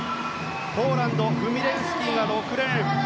ポーランド、フミレウスキが６レーン。